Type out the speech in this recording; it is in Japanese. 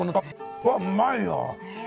うわぁうまいわ。